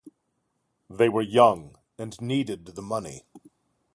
They were young and needed the money.